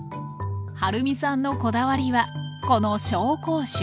はるみさんのこだわりはこの紹興酒。